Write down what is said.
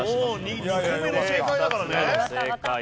２個目の正解だからね。